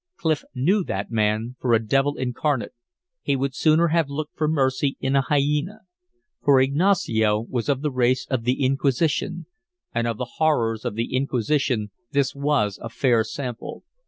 Clif knew that man for a devil incarnate. He would sooner have looked for mercy in a hyena. For Ignacio was of the race of the Inquisition; and of the horrors of the Inquisition this was a fair sample.